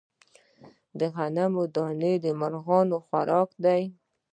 د غنمو دانه د مرغانو خوراک دی.